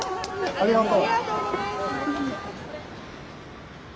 ありがとう。